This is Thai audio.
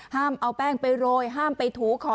ห้ามเอาแป้งไปโรยห้ามไปถูขอ